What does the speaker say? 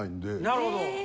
なるほど。